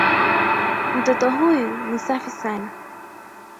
Mtoto huyu ni safi sana.